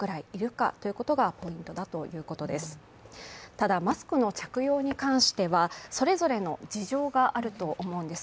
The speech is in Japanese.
ただマスクの着用に関してはそれぞれの事情があると思うんです。